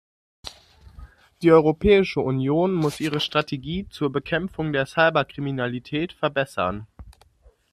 Die Europäische Union muss ihre Strategie zur Bekämpfung der Cyberkriminalität verbessern.